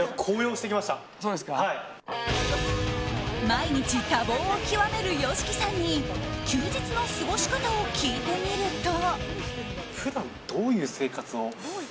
毎日、多忙を極めるＹＯＳＨＩＫＩさんに休日の過ごし方を聞いてみると。